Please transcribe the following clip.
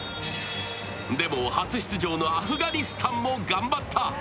でも、初出場のアフガニスタンも頑張った。